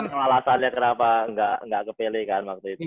kenapa alatannya kenapa gak ke pilih kan waktu itu